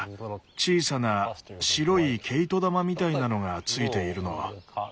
小さな白い毛糸玉みたいなのがついているの。